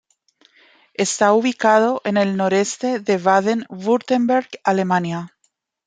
Está ubicado en el noreste de Baden-Württemberg, Alemania.